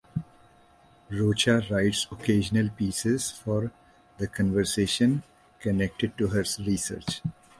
Rocha writes occasional pieces for "The Conversation" connected to her research.